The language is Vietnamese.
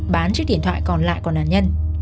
bán chiếc điện thoại còn lại của nạn nhân